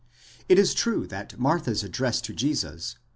It is true that Martha's address to Jesus (v.